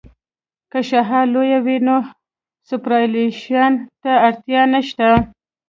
که شعاع لویه وي نو سوپرایلیویشن ته اړتیا نشته